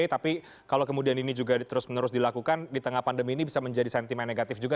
tapi kalau kemudian ini juga terus menerus dilakukan di tengah pandemi ini bisa menjadi sentimen negatif juga